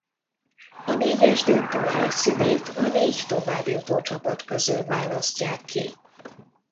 A négyes döntő helyszínét a négy továbbjutó csapat közül választják ki.